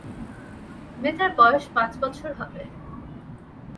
মেয়েটার বয়স পাঁচ বছর হবে।